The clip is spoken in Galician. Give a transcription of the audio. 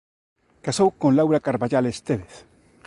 Casou con Laura Carballal Estévez.